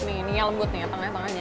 nih ini lembut nih tangannya